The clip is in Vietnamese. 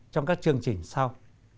trong các chương trình sau